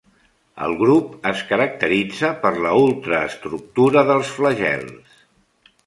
El grup es caracteritza per la ultraestructura dels flagels.